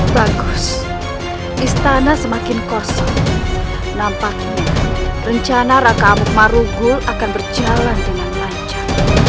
bagus istana semakin kosong nampaknya rencana raka amuk marugul akan berjalan dengan lancar